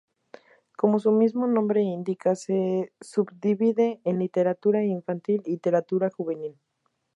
Como su mismo nombre indica, se subdivide en literatura infantil y literatura juvenil.